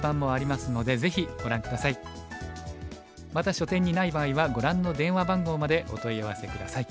また書店にない場合はご覧の電話番号までお問い合わせ下さい。